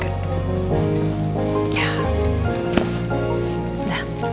tunggu disini ya